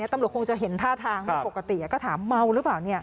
ตำรวจคงจะเห็นท่าทางไม่ปกติก็ถามเมาหรือเปล่า